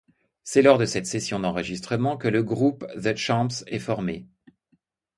C'est lors de cette session d'enregistrement que le groupe The Champs est formé.